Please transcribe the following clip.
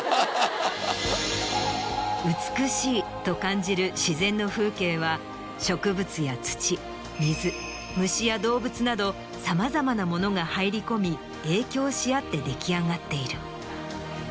美しいと感じる自然の風景は植物や土水虫や動物などさまざまなものが入り込み影響し合って出来上がっている。